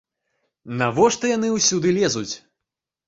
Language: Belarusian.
Навошта яны ўсюды лезуць?